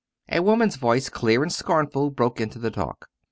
A woman's voice, clear and scornful, broke into the talk.